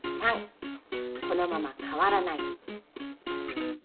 ３このまま変わらない。